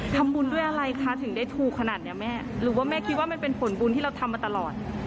ทำบุญด้วยอะไรคะถึงได้ถูกขนาดเนี้ยแม่หรือว่าแม่คิดว่ามันเป็นผลบุญที่เราทำมาตลอด